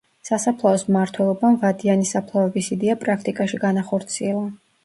სასაფლაოს მმართველობამ ვადიანი საფლავების იდეა პრაქტიკაში განახორციელა.